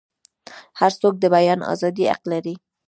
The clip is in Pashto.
هرڅوک د بیان ازادۍ حق لري.